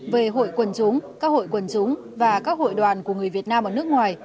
về hội quần chúng các hội quần chúng và các hội đoàn của người việt nam ở nước ngoài